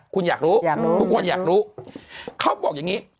คุณอยากรู้อยากรู้ทุกคนอยากรู้เขาบอกอย่างนี้